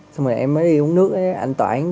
xong rồi em mới đi uống nước với anh toản